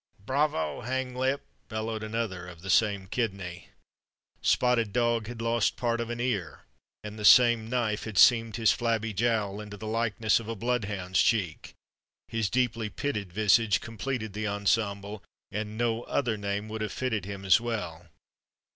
"Bravo, Hanglip!" bellowed another of the same kidney. Spotted Dog had lost part of an ear, and the same knife had seamed his flabby jowl into the likeness of a bloodhound's cheek; his deeply pitted visage completed the ensemble, and no other name would have fitted him as well.